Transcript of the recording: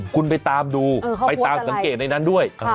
คุณไปตามดูสังเกตไหนด้วย